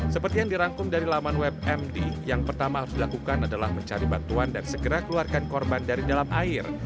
seperti yang dirangkum dari laman web md yang pertama harus dilakukan adalah mencari bantuan dan segera keluarkan korban dari dalam air